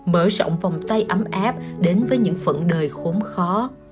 mở rộng vòng tay ấm áp đến với những phận đời khốn khó